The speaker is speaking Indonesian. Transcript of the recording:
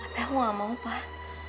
tapi aku gak mau pak